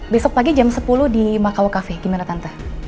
besok pagi jam sepuluh di makawa cafe gimana tanta